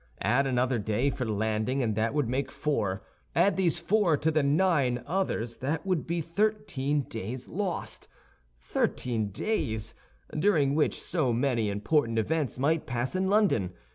Add another day for landing, and that would make four. Add these four to the nine others, that would be thirteen days lost—thirteen days, during which so many important events might pass in London.